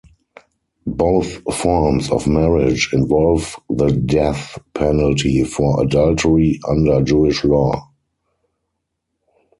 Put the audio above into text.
Both forms of marriage involve the death penalty for adultery under Jewish Law.